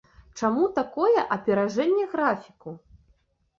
Чаму такое аперажэнне графіку?